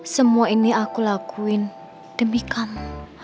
semua ini aku lakuin demi kamu